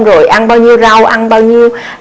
rồi ăn bao nhiêu rau ăn bao nhiêu